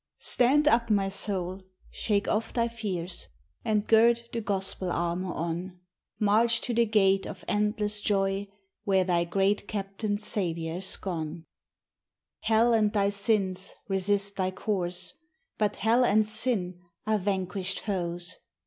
1 [CTAND up my soul, shake oflT thy fears, •^ And gird the gospel armoiur on, March to the gate of endless joy, Where thy great Captain Saviotir s gone. S Hell and thy snis resist thy cop"«» But hell and sin are vanquish d foes.